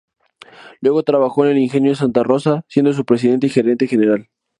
Luego trabajó en el ingenio Santa Rosa, siendo su presidente y gerente general.